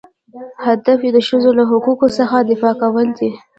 هدف یې د ښځو له حقوقو څخه دفاع کول دي.